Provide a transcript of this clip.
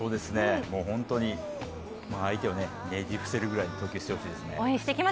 本当に、相手をねじ伏せるぐらいの投球してほしいですね。